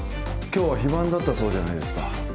今日は非番だったそうじゃないですか